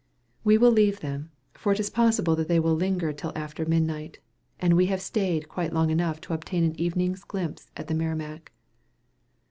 We will leave them for it is possible that they will linger till after midnight, and we have staid quite long enough to obtain an evening's glimpse at the Merrimac.